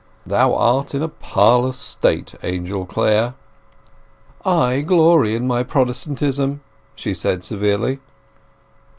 Thou art in a parlous state, Angel Clare." "I glory in my Protestantism!" she said severely.